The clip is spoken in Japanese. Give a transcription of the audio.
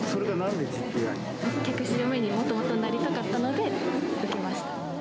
客室乗務員にもともとなりたかったので、受けました。